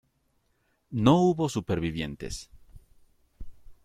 No hubo supervivientes.